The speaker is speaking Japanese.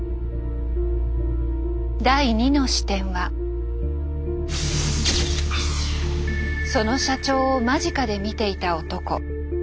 第２の視点はその社長を間近で見ていた男。